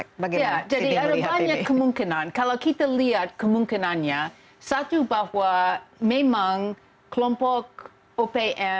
jadi ada banyak kemungkinan kalau kita lihat kemungkinannya satu bahwa memang kelompok opm